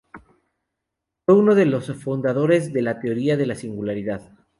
Fue uno de los fundadores de la teoría de la singularidad.